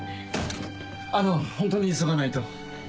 あのホントに急がないと。